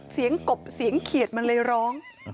เสียงเขียนมันร้อง